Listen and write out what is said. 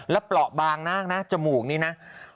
แล้วปลอบางนะจมูกนี้นะ